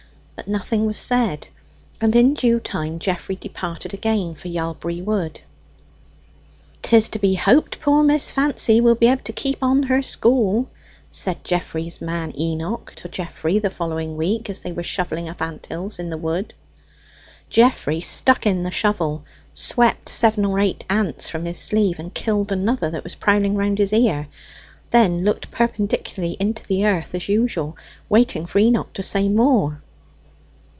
But nothing was said, and in due time Geoffrey departed again for Yalbury Wood. "'Tis to be hoped poor Miss Fancy will be able to keep on her school," said Geoffrey's man Enoch to Geoffrey the following week, as they were shovelling up ant hills in the wood. Geoffrey stuck in the shovel, swept seven or eight ants from his sleeve, and killed another that was prowling round his ear, then looked perpendicularly into the earth as usual, waiting for Enoch to say more.